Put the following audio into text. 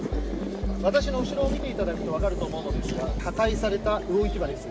私の後ろを見ていただくと分かると思うのですが、破壊された魚市場です。